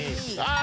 あ！